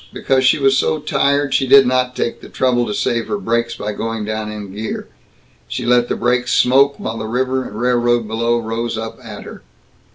Because she was so tired, she did not take the trouble to save her brakes by going down in gear. She let the brakes smoke while the river and railroad below rose up at her.